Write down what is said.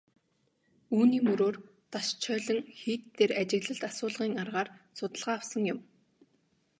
Үүний мөрөөр Дашчойлин хийд дээр ажиглалт асуулгын аргаар судалгаа авсан юм.